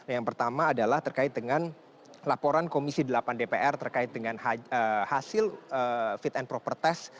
yang pertama adalah terkait dengan laporan komisi delapan dpr terkait dengan hasil fit and proper test